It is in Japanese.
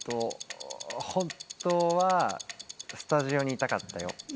本当はスタジオにいたかったよ。